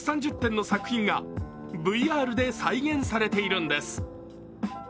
１３０点の作品がＶＲで再現されているんです。